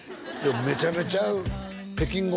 めちゃめちゃ北京語